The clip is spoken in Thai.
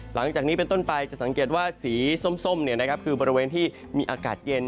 หลังจากนี้เป็นต้นไปจะสังเกตว่าสีส้มคือบริเวณที่มีอากาศเย็น